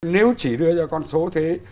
nếu chỉ đưa ra con số thế